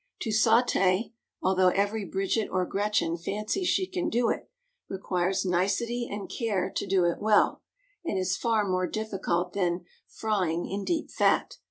To sauté although every Bridget or Gretchen fancies she can do it requires nicety and care to do it well, and is far more difficult than "frying in deep fat."